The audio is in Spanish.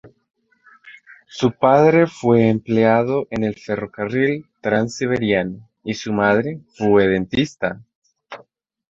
Su padre fue empleado en el ferrocarril Transiberiano, y su madre fue dentista.